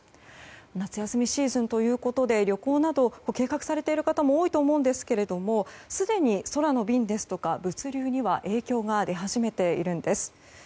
夏休みシーズンということで旅行など計画されている方も多いと思いますがすでに空の便や物流には影響が出始めているんです。